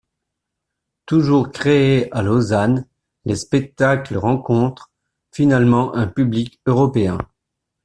Toujours créés à Lausanne, les spectacles rencontrent finalement un public européen.